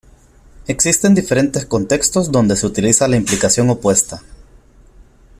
Existen diferentes contextos dónde se utiliza la implicación opuesta.